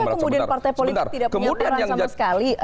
kenapa kemudian partai politik tidak punya peran sama sekali